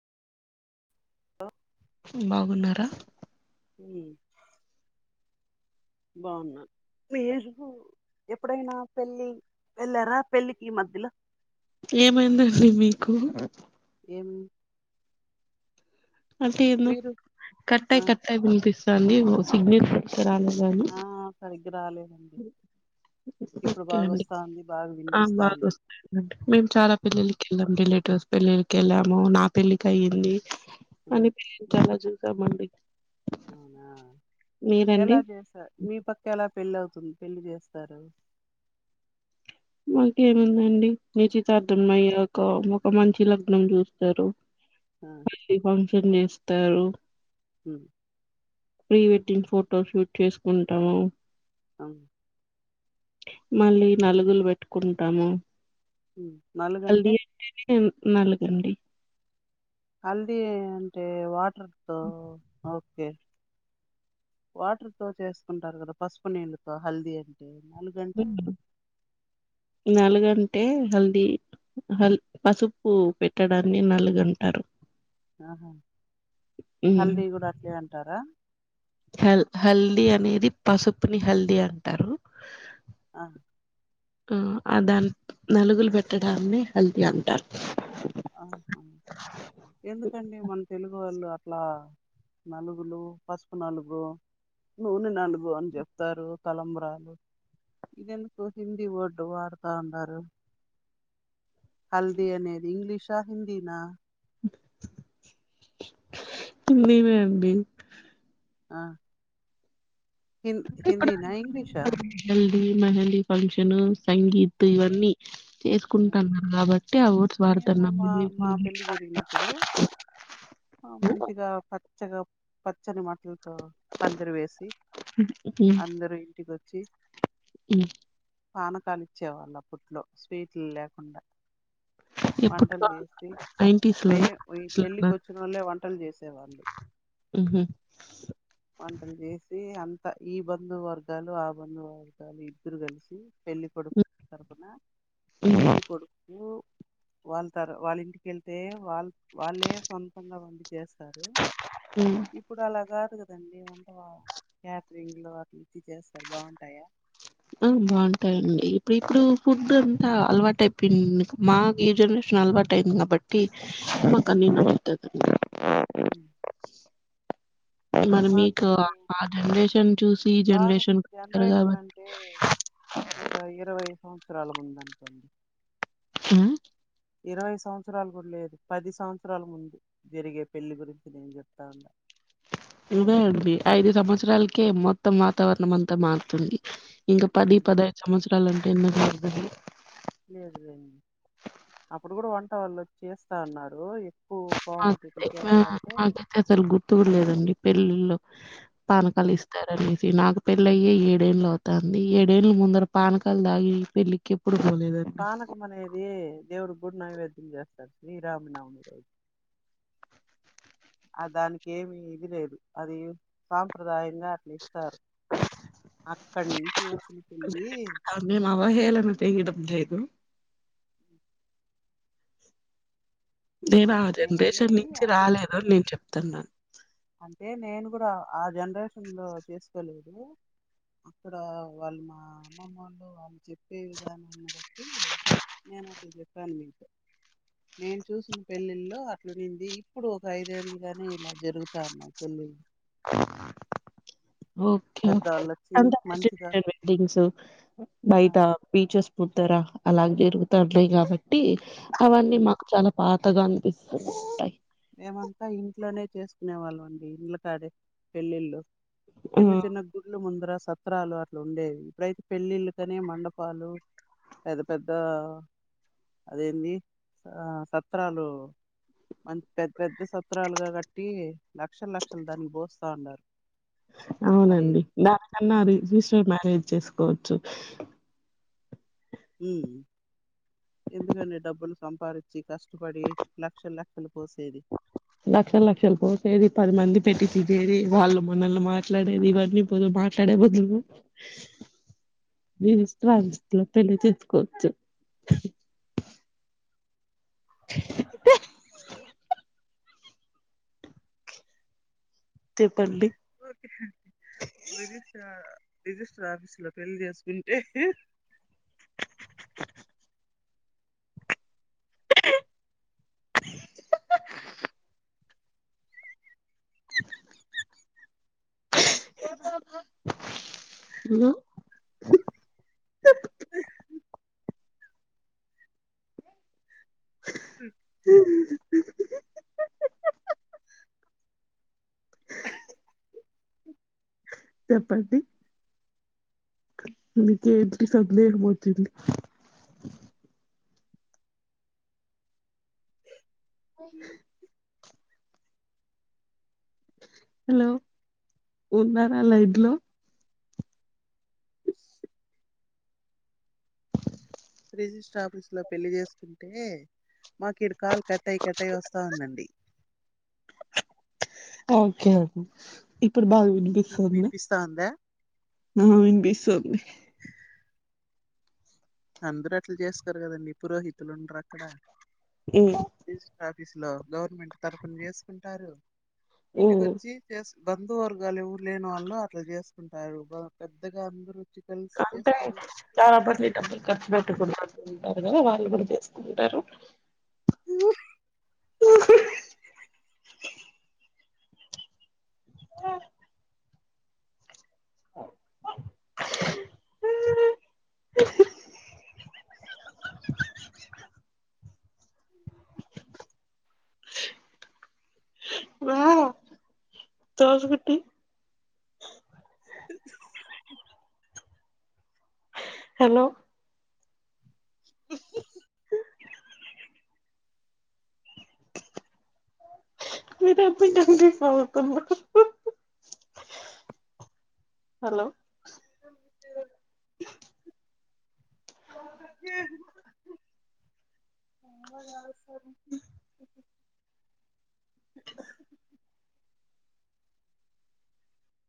[unintelligible] బాగున్నారా బాగున్నా మీరు ఎప్పుడైనా పెళ్ళి వెళ్ళారా పెళ్ళికి ఈ మధ్యలో ఏమైందండి మీకు ఎం అంటే ఏందో ఆ కట్టయి కట్టయి వినిపిస్ [unintelligible] సిగ్నల్ రాలేదని ఆ సరిగ్గా రాలేదండి ఇప్పుడు ఒకే బాగా అండి వస్తాంది బాగా ఆ బాగా వినిపిస్తాంది వస్తుందండి మేము చాలా పెళ్ళిలకి వెళ్ళాం రిలేటివ్స్ పెళ్ళిలకి కెళ్ళాము నా పెళ్ళకి అయింది ఉమ్ కానీ పెళ్ళిళకి [unintelligible] తమండి అవునా ఎలా చేసా మీ పక్క ఎలా పెళ్లి అవుతుంది పెళ్లి చేస్తారు మాకేముందండి నిశ్చితార్థం అయ్యాకా ఒక మంచి లగ్నం చూస్తారు ఆ [unintelligible] ని చేస్తారు హుమ్ ప్రీ వెడ్డింగ్ ఫోటో షూట్ చేసుకుంటాము అవును మళ్ళీ నలుగులు పె ట్టుకుంటాము హుమ్ హల్ది అంటే నలుగండి హల్ది అంటే వా అ వాటర్ తో చేసుకుంటారు కదా పసుపు నీళ్ళుతో హల్దీ అంటే నలుగంటే నలుగం అంటే హల్దీ హల్ పసుపు పెట్టడాన్ని నలుగంటారు ఆహా మ్ హల్దీ కూడా అట్లే అంటారా హల్ది అనేది పసుపుని హల్దీ అంటారు ఆ ఉమ్ ఆ దాన్ని నలుగులు పెట్టడాన్ని హల్దీ అంటారు ఆహా ఎందుకండి మన తెలుగు వాళ్ళు అట్లా నలుగులు పసుపు నలుగు నూనె నలుగు అని చెప్తారు తలంబ్రాలు ఇదెందుకు హిందీ వర్డ్ వాడుతాన్నారు హల్దీ అనేది ఇంగ్లీష్ షా హిందీనా మేమే అబ్బి ఆ హిం హిందీన ఇంగ్లీష మేహలీ ఫంక్షను సంగీత్ ఆ, ఇవన్నీ ఆ. చేసుకుంటున్నారు కాబట్టి ఆ వర్డ్స్ మేము వాడుతున్నా మా మా పెళ్లి జరిగినప్పుడు ఆ, మంచిగా పచ్చగా పచ్చని బట్టలు పందిరి వేసి అందరు ఇంటికి వ చ్చి హుమ్ పానకాలు ఇచ్చే వాళ్ళు అప్పట్లో వీటిల లేకుండ ఎప్పుడు వంటలు చేసి నైన్టీస్ మ లోనా పెళ్ళికి వచ్చిన వాళ్ళ వంటలు చేసేవాళ్ళు ఉమ్, వంటలు చేసి అంత ఈ బంధు వర్గాలు ఆ బంధు వర్గాలు ఇద్దరు కలిసి పెళ్లి కొడుకు తరపున ఉమ్, పెళ్ళికోడుకు వాళ్ళ తర వాళ్ళ ఇంటికెళ్తే వాళ్ళ వాళ్ళే సొంతంగా ఉండి చేస్తారు ఉమ్. ఇప్పుడు అలా కాదు కదండి వంట క్యాటరింగ్లు అట్లు ఇది చేస్తారు బాగుంటాయా ఆ బాగుంటాయండి ఇప్పుడు ఇప్పుడు ఫుడ్ అంతా అలవాటు అయిపోయింది మా ఈ జనరేషన్ అలవాటు అయింది కాబట్టి మకానే నడుత ర్ అ మరి మీకు ఆ జనరేషన్ చూసి ఇ బాగా జనరేషన్ కి వచ్చారు జనరేషన్ కాబట్టి అంటే అవసరాల ముందనుకోండి ఉమ్ ఇరవై సంవత్సరాలు కూడా లేదు పది సంవత్సరాల ముందు జరిగే పెళ్లి గురించి నేను చెప్తా ఉన్నా ఇదే అవి ఐదు సంవత్సరాలకే మొత్తం వాతావరణం అంతా మారుతుంది ఇంకా పది పది ఐదు సంవత్సర పట్టాలంటే ఎన్నో పరుద లేదులేండి అప్పుడు కూడా వంట వాళ్ళు వచ్చి చేస్తా అన్నారు మాకైతే అసలు గుర్తులేదండి పెళ్ళిల్లో ఆ, పానకాలు ఇస్తారని నాకు పెళ్ళయ్యే ఏడేళ్ళు అవుతంది ఏడేళ్ళ ముందర పానకాలు దాగి పెళ్లికి పనకం మనేది దేవుడు కూడా నైవేద్యం చేస్తారు శ్రీరామనవమి రోజు ఆ దానికి ఏమి ఇది లేదు అది సాంప్రదాయంగా అర్నిస్తారు వచ్చిన పెళ్లి ే మా అవాహేళనా చేయడం లేదు నేను ఆ నేన జనరేషన్ అనేది నుంచి అప్పుడు రాలేదు అని నేను చెప్తున్నాను అంటే నేను కూడా ఆ జన్ రేషన్ లో చేసుకోలేదు అక్కడ వాళ్ళు మా అమ్మమ్ వాళ్ళు వాళ్ళు చెప్పే విధానాన్ని బట్టి నేను అక్కడ చెప్పాను మీకు నేను చూసిన పెళ్ళిళ్ళల్లో అట్లు నింది ఇప్పుడు ఒక ఐదేళ్ళలుగానే ఇలా జరుగుతా ఉన్నాయి పెళ్ళిళ్ళు [unintelligible] ఓకే పెద్దవాళ్ళు వచ్చి మంచిగా అ బిల్డింగ్స్ ఆ, బయట బీచెస్ ముదరా అలా జరుగుతున్నాయి కాబట్టి అవన్నీ ఉమ్, మాకు చాలా పా కొత్తగా అనిపిస్తాది మేమంత ఇంట్లోనే చేసుకునే వాళ్ళం అండి ఇండ్ల కాడే పెళ్ళిళ్ళు ఆ చిన్న చిన్న గుళ్ళ ముందు సత్రాలు అట్లా ఉండేవి ఇప్పుడైతే పెళ్ళిళ్ళుకనే మండపాలు పెద్ద పెద్ద అదేంటి సత్రాలు మ పెద్ద పెద్ద సత్రరాలుగా కట్టి లక్షల లక్షలు దానికి పోస్తా ఉన్నారు అవునండి దానికన్నా ఈ- రిజిస్టర్ మ్యారేజ్ చేసుకు కోవచ్చు ఈ ఎందుకండి డబ్బులు సంపాదించి కష్టపడి లక్షలు లక్షలు పోసేది లక్షల లక్షలు పోసేది పది మంది పెట్టి తినేది వాళ్ళు మనల్ని మాట్లాడేది ఇవన్నీ పోదు మాట్లాడే బదులు, [unintelligible] చెప్పండి ఓకే బెదిస్తా రిజిస్టర్ ఆఫీసు లో పెళ్ళి చేసుకుంటే [unintelligible] హ [unintelligible] ఉ [unintelligible] చెప్పండి మీ కేంటి సందలేహమౌతుంది అ హలో ఉన్నారా లైడ్లో రిజిస్టర్ ఆఫీస్ లో పెళ్లి చేసుకుంటే మాకు ఇర కాల్ కట్ అయి కట్ అయి వస్తా ఉందండి ఓకే ఇప్పుడు బా మీకు వినిపిస్తా ఉందా ఆ ఇనిపిస్తుంది అందరు అట్లా చేసుకోరు కదండి పురోహితులు ఉండరు అక్కడ ఉమ్ రిస్టర్ ఆఫీసు లో గవర్నమెంట్ తరపున చేసుకుంటారు ఉమ్ ఇంటికొచ్చి చేస్ బంధు వర్గాలు ఎవరు లేని వాళ్ళు అట్లా చేసుకుంటారు పెద్దగా అందరూ చి కంటే చాలా పటి నీటు అండి ఖర్చు పెట్టుకుని ఉండె ఎదెన వాళ్ళు కూడా చేస్కుంటారు ఆ ఆ దస్ గుటి హలో హలో